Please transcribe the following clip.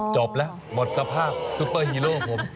จบแล้วหมดสภาพซุปเปอร์ฮีโร่ผม